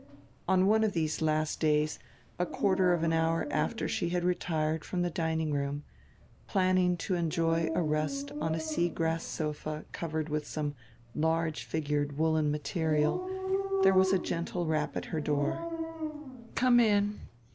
On one of tiiese last days, a quarter of an hour after she had retired from die dining room, planning to enjoy a rest on a sea grass sofa covered widi some large figured woolen material, diere was a gende rap at her door. "Come in!"